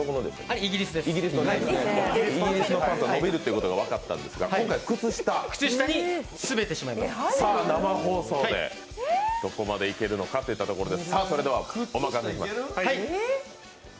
イギリスのパンツが伸びるということが分かったところでございますけれども生放送でどこまでいけるのかっていったところです。